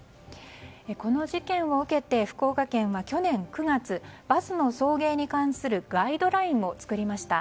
この事件を受けて福岡県は去年９月バスの送迎に関するガイドラインを作りました。